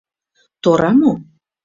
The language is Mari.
— Тора мо?